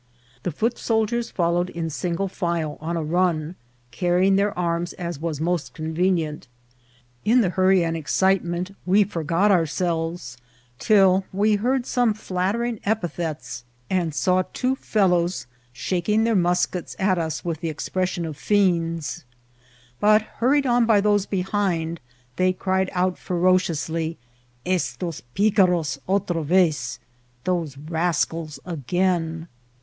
The foot soldiers followed in single file on a run, carrying their jarms as was most convenient. In the hurry and excitement we forgot ourselves till we heard some flattering epithets, 84 INCIDENTS OF TRAVEL. and saw two fellows shaking their muskets at us with the expression of fiends ; but, hurried on by those behind, they cried out ferociously, "Estos picaros otro vez," " Those rascals again."